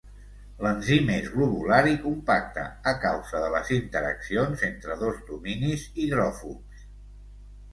L'enzim és globular i compacte a causa de les interaccions entre dos dominis hidròfobs.